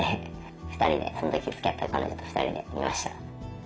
２人でそのときつきあってた彼女と２人で見ました。